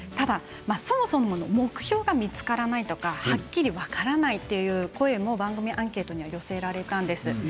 そもそも目標が見つからないとかはっきり分からないという声も番組アンケートでも寄せられました。